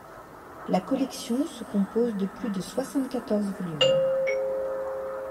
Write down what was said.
La collection se compose de plus de soixante-quatorze volumes.